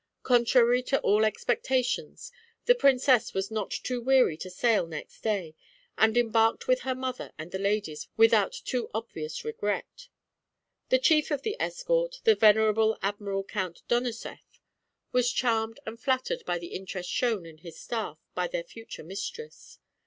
Contrary to all expectations, the princess was not too weary to sail next day and embarked with her mother and their ladies without too obvious regret. The chief of the escort, the venerable Admiral Count Donoseff, was charmed and flattered by the interest shown in his staff by their future mistress.